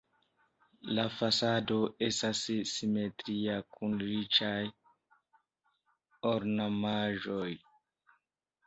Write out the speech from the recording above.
La fasado estas simetria kun riĉaj ornamaĵoj.